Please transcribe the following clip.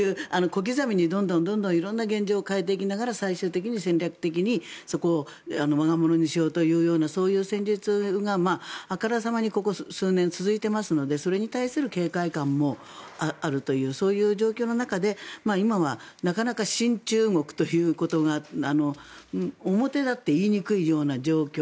小刻みにどんどん色んな現状を変えていきながら最終的に戦略的にそこを我が物にしようというようなそういう戦術があからさまにここ数年続いていますのでそれに対する警戒感もあるというそういう状況の中で今はなかなか親中国ということが表立って言いにくいような状況